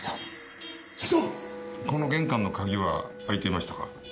この玄関の鍵は開いていましたか？